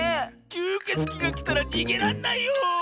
きゅうけつきがきたらにげらんないよ。